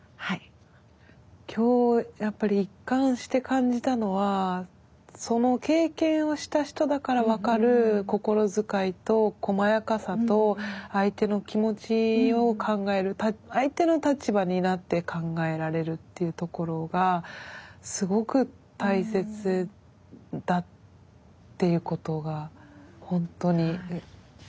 今日やっぱり一貫して感じたのはその経験をした人だから分かる心遣いとこまやかさと相手の気持ちを考える相手の立場になって考えられるっていうところがすごく大切だっていうことが本当に分かりました。